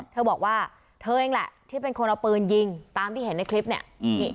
เธอบอกว่าเธอเองแหละที่เป็นคนเอาปืนยิงตามที่เห็นในคลิปเนี่ย